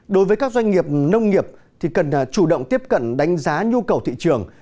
đối với các doanh nghiệp nông nghiệp thì cần chủ động tiếp cận đánh giá nhu cầu thị trường